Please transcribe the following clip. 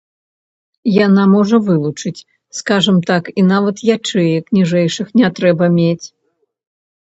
Яна можа вылучыць, скажам так, і нават ячэек ніжэйшых не трэба мець.